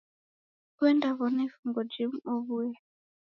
Uendaw'ona ifungu jimu owuya